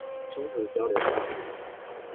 中和交流道